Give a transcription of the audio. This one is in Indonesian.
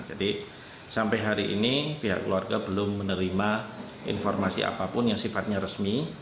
jadi sampai hari ini pihak keluarga belum menerima informasi apapun yang sifatnya resmi